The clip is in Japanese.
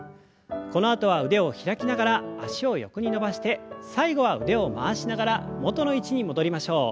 このあとは腕を開きながら脚を横に伸ばして最後は腕を回しながら元の位置に戻りましょう。